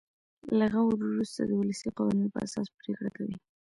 له غور وروسته د ولسي قوانینو په اساس پرېکړه کوي.